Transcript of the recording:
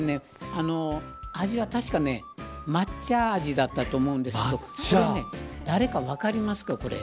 味は、確かね抹茶味だったと思うんですけど誰かわかりますか、これ。